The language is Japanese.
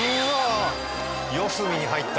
四隅に入った。